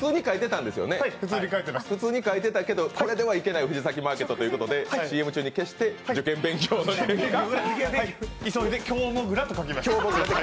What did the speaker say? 普通に書いてたけど、これではいけない藤崎マーケットということでＣＭ中に消して、受験勉強をして。